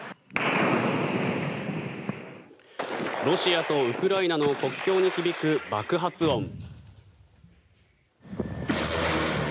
ロシアとウクライナの国境に響く爆発音。